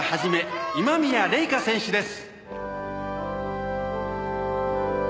今宮礼夏選手です」